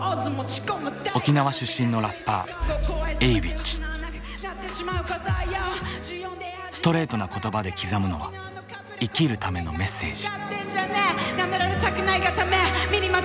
沖縄出身のラッパーストレートな言葉で刻むのは生きるためのメッセージ。